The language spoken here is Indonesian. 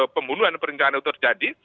pembunuhan perencana terjadi